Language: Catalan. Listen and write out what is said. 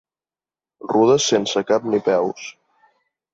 Rudes sense cap ni peus.